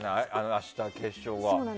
明日、決勝が。